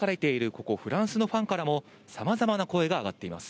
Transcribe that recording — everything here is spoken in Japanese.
ここ、フランスのファンからもさまざまな声が上がっています。